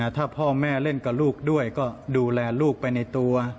ถ้าพ่อแม่เล่นกับลูกด้วยก็ดูแลลูกไปในตัว